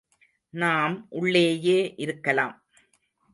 நாம் உள்ளேயே இருக்கலாம்.